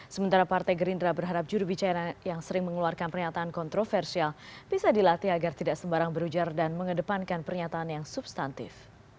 sementara partai gerindra berharap jurubicara yang sering mengeluarkan pernyataan kontroversial bisa dilatih agar tidak sembarang berujar dan mengedepankan pernyataan yang substantif